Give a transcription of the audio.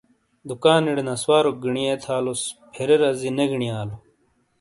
دُکانیڑے نسواروک گینی آے تھالوس فیرے رزی نے گینی آلو۔